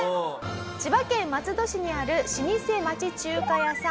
千葉県松戸市にある老舗町中華屋さん東東。